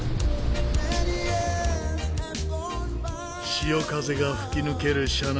潮風が吹き抜ける車内。